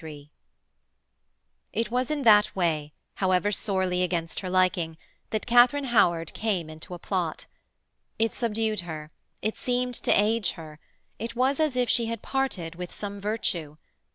III It was in that way, however sorely against her liking, that Katharine Howard came into a plot. It subdued her, it seemed to age her, it was as if she had parted with some virtue.